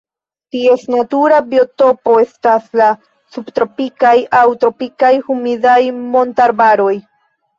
Ties natura biotopo estas la subtropikaj aŭ tropikaj humidaj montarbaroj.